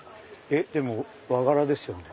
でも和柄ですよね。